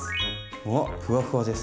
うわっふわふわです。